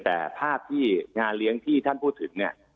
แต่ภาพที่งานเลี้ยงที่ท่านพูดถึงเนี่ย